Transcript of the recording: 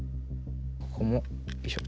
ここもよいしょ。